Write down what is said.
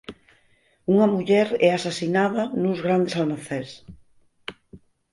Unha muller é asasinada nuns grandes almacéns.